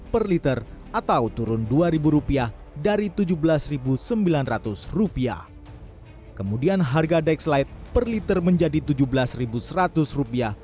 per liter atau turun rp dua dari rp tujuh belas sembilan ratus kemudian harga dexlite per liter menjadi rp tujuh belas seratus